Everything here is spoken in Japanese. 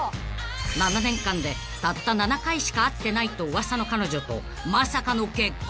［７年間でたった７回しか会ってないと噂の彼女とまさかの結婚？］